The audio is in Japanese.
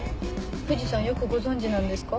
藤さんよくご存じなんですか？